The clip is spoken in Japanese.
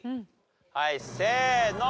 はいせーの！